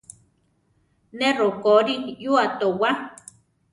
Ne rokorí yua towá.